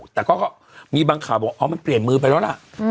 แต่ก็มีบางข่าวบอกอ๋อมันเปลี่ยนมือไปแล้วล่ะ